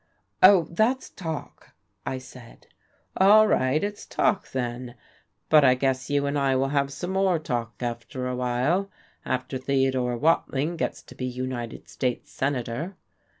"Oh, that's talk," I said. "All right, it's talk, then? But I guess you and I will have some more talk after a while, after Theodore Watling gets to be United States Senator.